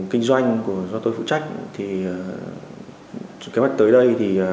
kinh doanh do tôi phụ trách thì kế hoạch tới đây thì